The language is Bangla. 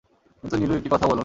কিন্তু নীলু একটি কথাও বলল না।